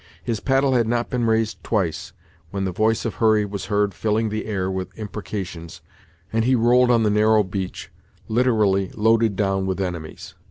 His paddle had not been raised twice, when the voice of Hurry was heard filling the air with imprecations, and he rolled on the narrow beach, literally loaded down with enemies.